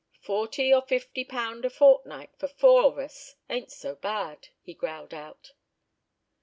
"Forty or fifty pound a fortnight for four of us ain't so bad," he growled out.